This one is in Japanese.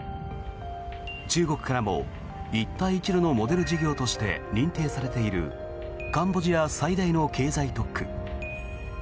中国からも一帯一路のモデル事業として認定されているカンボジア最大の経済特区。